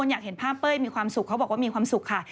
อยากเห็นภาพเป้ยมีความสุขเขาบอกว่ามีความสุขค่ะ